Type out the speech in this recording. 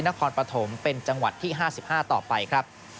นครปฐมเป็นจังหวัดที่๕๕ต่อไปครับ